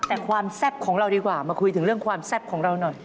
แต่ความแซ่บของเราดีกว่ามาคุยถึงเรื่องความแซ่บของเราหน่อย